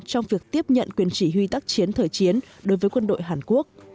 trong việc tiếp nhận quyền chỉ huy tác chiến thời chiến đối với quân đội hàn quốc